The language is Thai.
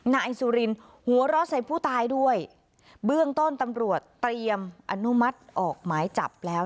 นายสุรินหัวเราะใส่ผู้ตายด้วยเบื้องต้นตำรวจเตรียมอนุมัติออกหมายจับแล้ว